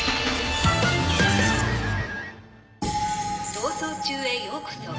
逃走中へようこそ。